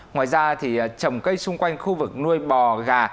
ngoài ra thì trồng cây xung quanh khu vực nuôi bò gà